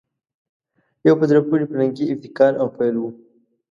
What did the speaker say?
یو په زړه پورې فرهنګي ابتکار او پیل وو